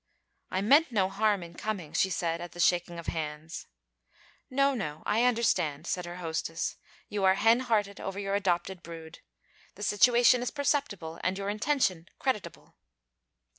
'I meant no harm in coming,' she said, at the shaking of hands. 'No, no; I understand,' said her hostess: 'you are hen hearted over your adopted brood. The situation is perceptible and your intention creditable.'